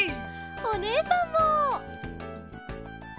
おねえさんも！